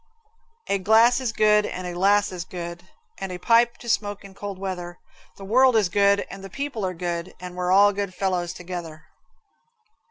A glass is good and a lass is good, And a pipe to smoke in cold weather. The world is good and the people are good, And we're all good fellows together.